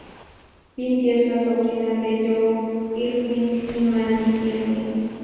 Bindi es la sobrina de Joy Irwin y Mandy Irwin.